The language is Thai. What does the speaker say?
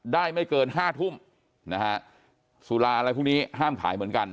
ไม่เกินห้าทุ่มนะฮะสุราอะไรพวกนี้ห้ามขายเหมือนกัน